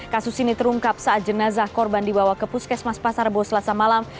kasus ini terungkap saat jenazah korban dibawa ke puskesmas pasar bo selasa malam